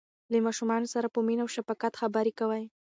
له ماشومانو سره په مینه او شفقت خبرې کوئ.